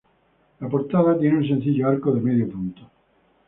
La portada tiene un sencillo arco de medio punto.